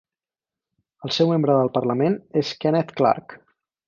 El seu membre del parlament és Kenneth Clarke.